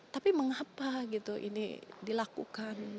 tapi mengapa gitu ini dilakukan